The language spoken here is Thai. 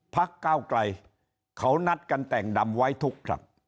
พักเก้าไกลเขานัดกันแต่งดำไว้ทุกผลัก